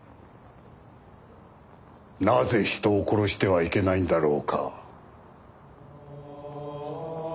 なぜ人を殺してはいけないんだろうか？